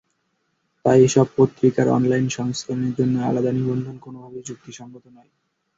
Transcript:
তাই এসব পত্রিকার অনলাইন সংস্করণের জন্য আলাদা নিবন্ধন কোনোভাবেই যুক্তিসংগত নয়।